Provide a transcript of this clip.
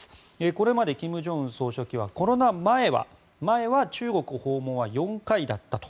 これまで金正恩総書記はコロナ前は中国訪問は４回だったと。